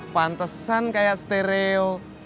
pantesan kayak stereo